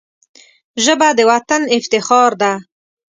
ژبه د وطن افتخار ده